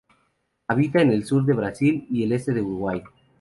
Habita en el sur de Brasil y el este de Uruguay.